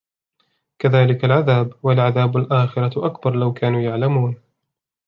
كذلك العذاب ولعذاب الآخرة أكبر لو كانوا يعلمون